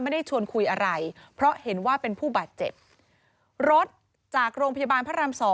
ไม่ได้ชวนคุยอะไรเพราะเห็นว่าเป็นผู้บาดเจ็บรถจากโรงพยาบาลพระราม๒